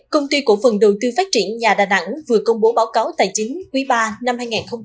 công ty cổ phần đầu tư phát triển nhà đà nẵng vừa công bố báo cáo tài chính quý ba năm hai nghìn hai mươi ba